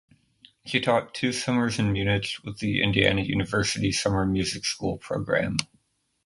She taught two summers in Munich with the Indiana University Summer Music School program.